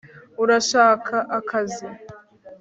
urashaka akazi